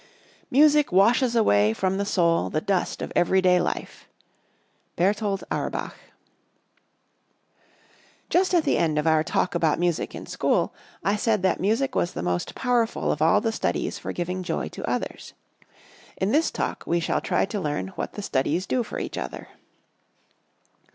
"Music washes away from the soul the dust of everyday life." Berthold Auerbach. Just at the end of our Talk about Music in School, I said that music was the most powerful of all the studies for giving joy to others. In this Talk we shall try to learn what the studies do for each other.